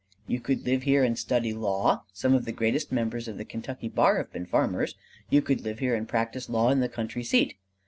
"You could live here and study law: some of the greatest members of the Kentucky bar have been farmers. You could live here and practise law in the country seat."